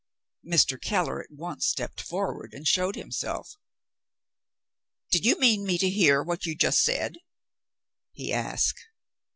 Mr. Keller at once stepped forward, and showed himself. "Did you mean me to hear what you have just said?" he asked.